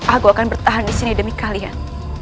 aku akan bertahan disini demi kalian